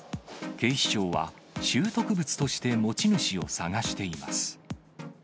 警視庁は、拾得物として持ち主を探しています。